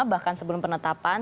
bahkan sebelum penetapan